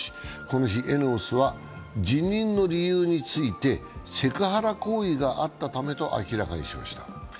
この日、ＥＮＥＯＳは辞任の理由についてセクハラ行為があったためと明らかにしました。